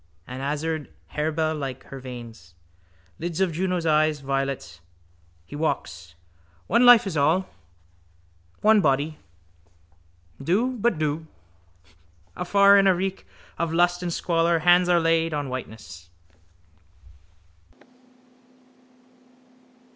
An azured harebell like her veins. Lids of Juno's eyes, violets. He walks. One life is all. One body. Do. But do. Afar, in a reek of lust and squalor, hands are laid on whiteness.